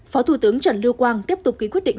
phó thủ tướng trần lưu quang tiếp tục ký quyết định